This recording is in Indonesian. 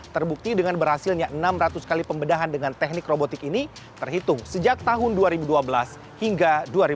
terbukti dengan berhasilnya enam ratus kali pembedahan dengan teknik robotik ini terhitung sejak tahun dua ribu dua belas hingga dua ribu dua puluh